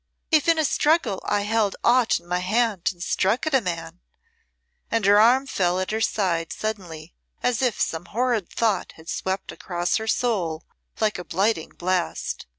If in a struggle I held aught in my hand and struck at a man " her arm fell at her side suddenly as if some horrid thought had swept across her soul, like a blighting blast.